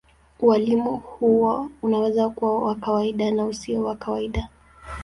Ualimu huo unaweza kuwa wa kawaida na usio wa kawaida.